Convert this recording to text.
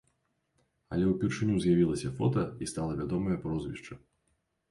Але ўпершыню з'явілася фота і стала вядомае прозвішча.